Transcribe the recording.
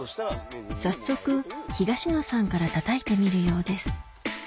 早速東野さんから叩いてみるようです